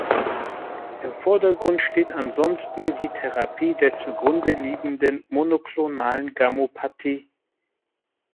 Im Vordergrund steht ansonsten die Therapie der zugrundeliegenden Monoklonalen Gammopathie.